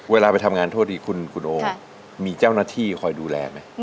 เวลาไปทำงานโทษดีคุณโอมีเจ้าหน้าที่คอยดูแลไหม